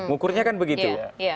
ukurnya kan begitu ya